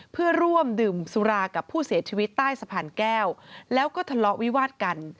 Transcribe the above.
เพื่อร่วมดื่มสุรากับผู้เสียชีวิตใต้สะพานแก้วแล้วก็ทะเลาะวิวาดกัน